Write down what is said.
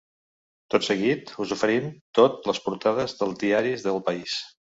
Tot seguit us oferim tot les portades dels diaris del país.